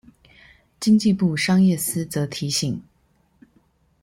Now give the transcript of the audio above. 經濟部商業司則提醒